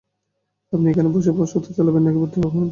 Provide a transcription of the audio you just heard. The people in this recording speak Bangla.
আপনি এখানে বসে প্রশ্নোত্তর চালাবেন, নাকি ভর্তিও হবেন?